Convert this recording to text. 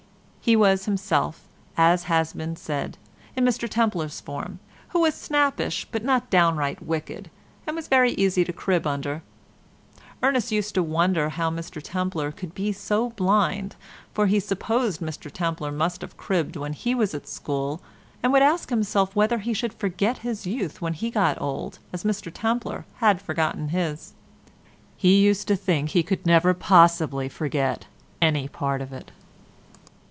He was himself, as has been said, in Mr Templer's form, who was snappish, but not downright wicked, and was very easy to crib under. Ernest used to wonder how Mr Templer could be so blind, for he supposed Mr Templer must have cribbed when he was at school, and would ask himself whether he should forget his youth when he got old, as Mr Templer had forgotten his. He used to think he never could possibly forget any part of it.